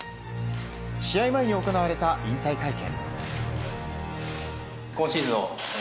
試合前に行われた引退会見。